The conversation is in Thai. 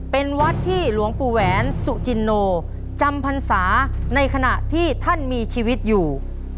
เป็นวัดที่หลวงปู่แหวนสุจินโนจำพรรษาในขณะที่ท่านมีชีวิตอยู่